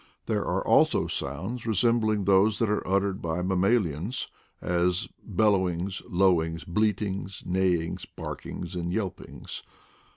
There are also sounds resembling BIRD MUSIC IN SOUTH AMERICA 147 those that are uttered by mammalians, as bellow ings, lowings, bleatings, neighings, barkings, and yelpings.